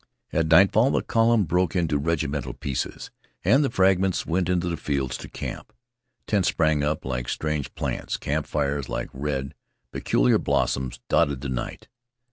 At nightfall the column broke into regimental pieces, and the fragments went into the fields to camp. Tents sprang up like strange plants. Camp fires, like red, peculiar blossoms, dotted the night.